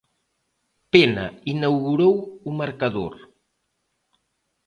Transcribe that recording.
Pena inaugurou o marcador.